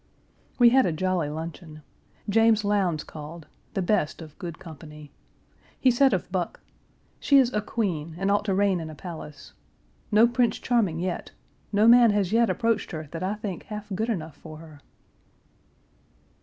We had a jolly luncheon. James Lowndes called, the best of good company. He said of Buck, "She is a queen, and ought to reign in a palace. No Prince Charming yet; no man has yet approached her that I think half good enough for her."